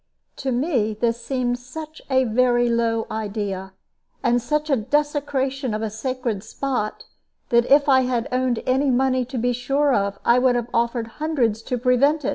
To me this seemed such a very low idea, and such a desecration of a sacred spot, that if I had owned any money to be sure of, I would have offered hundreds to prevent it.